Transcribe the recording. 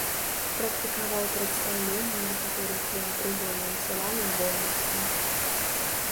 Практыкаваў прадстаўленне некаторым сваім прыгонным сялянам вольнасці.